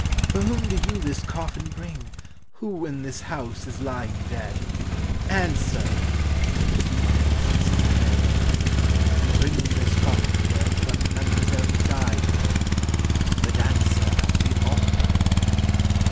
For whom do you this coffin bring ? Who in this house is lying dead ? 28 " Answer !" One hastens to obey :" We bring this coffin here for a Mademoiselle who died to day : The dancer at the opera."